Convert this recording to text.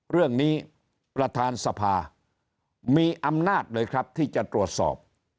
เรื่องนี้ประธานสภามีอำนาจเลยครับที่จะตรวจสอบ